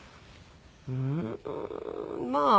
うーんまあ